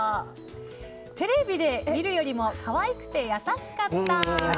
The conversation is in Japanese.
テレビで見るよりも可愛くて優しかった。